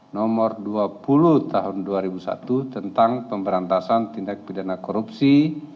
undang undang no dua puluh tahun dua ribu satu tentang pemberantasan tindak pidana korupsi